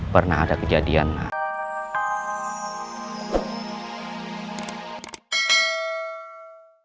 pernah ada kejadian lah